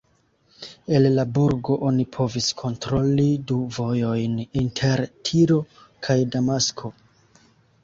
El la burgo oni povis kontroli du vojojn inter Tiro kaj Damasko.